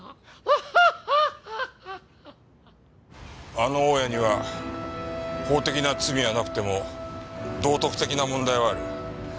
あの大家には法的な罪はなくても道徳的な問題はある。